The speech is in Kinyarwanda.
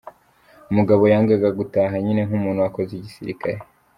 "Umugabo yangaga gutaha nyine nk'umuntu wakoze igisirikare.